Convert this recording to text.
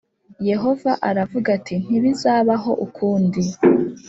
Yehova aravuga ati ntibizabaho ukundi